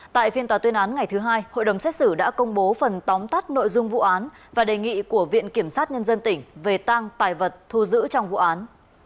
tại phiên tòa tuyên án ngày thứ hai hội đồng xét xử đã công bố phần tóm tắt nội dung vụ án và đề nghị của viện kiểm sát nhân dân tỉnh về tăng tài vật thu giữ trong vụ án